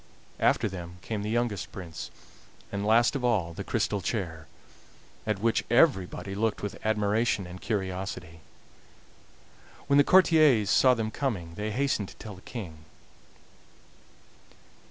After them came the youngest prince, and last of all the crystal chair, at which everybody looked with admiration and curiosity. When the courtiers saw them coming they hastened to tell the King.